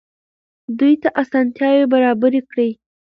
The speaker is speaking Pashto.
دوی ته اسانتیاوې برابرې کړئ.